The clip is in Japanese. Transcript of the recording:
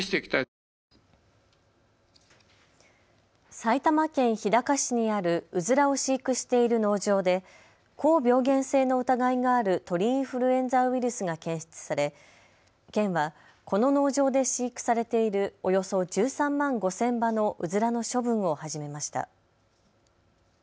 埼玉県日高市にあるうずらを飼育している農場で高病原性の疑いがある鳥インフルエンザウイルスが検出され県はこの農場で飼育されているおよそ１３万５０００羽のうずらの処分を始めました。